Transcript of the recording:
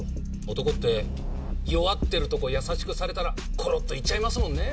男って弱ってるとこ優しくされたらコロっと行っちゃいますもんね。